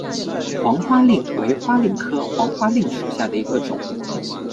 黄花蔺为花蔺科黄花蔺属下的一个种。